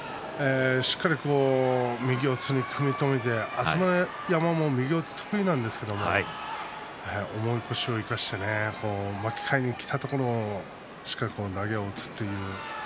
しっかり右四つに組み止めて朝乃山も右四つ得意なんですけれども重い腰を生かしてね巻き替えにきたところをしっかり投げを打つ。